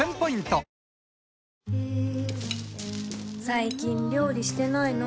最近料理してないの？